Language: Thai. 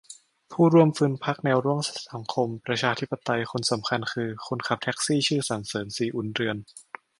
"ผู้ร่วมฟื้น พรรคแนวร่วมสังคมประชาธิปไตย คนสำคัญ คือ คนขับแท็กซีชื่อ สรรเสริญ ศรีอุ่นเรือน"